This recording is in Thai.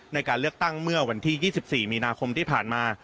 ในการเลือกตั้งเมื่อวันที่๒๔มีนาคมที่ผ่านมา